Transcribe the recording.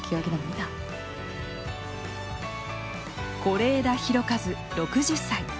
是枝裕和、６０歳。